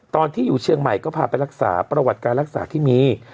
ที่อยู่เชียงใหม่ก็พาไปรักษาประวัติการรักษาที่มี